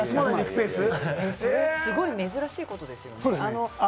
すごい珍しいことですよね。